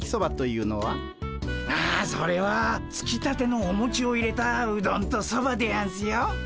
あそれはつきたてのおもちを入れたうどんとそばでやんすよ。